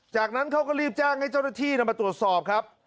จากนั้นเขาก็รีบแจ้งให้เจ้าหน้าที่นำมาตรวจสอบครับ